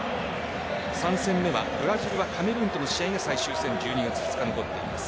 ３戦目はブラジルはカメルーンとの試合で最終戦１２月２日残っています。